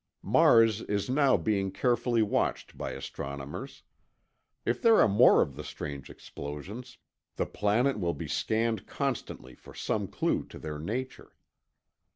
Mars is now being carefully watched by astronomers. If there are more of the strange explosions, the planet will be scanned constantly for some clue to their nature.